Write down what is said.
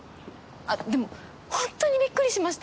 あっでもほんとにびっくりしました。